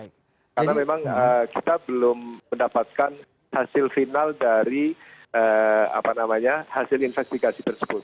karena memang kita belum mendapatkan hasil final dari hasil investigasi tersebut